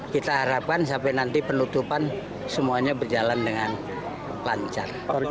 kita harapkan sampai nanti penutupan semuanya berjalan dengan lancar